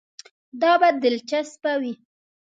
دا به دلچسپه وي.